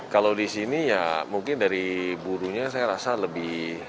kalau di sini ya mungkin dari burunya saya rasa lebih